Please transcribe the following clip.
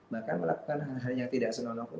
bahkan melakukan hal hal yang tidak senonok pun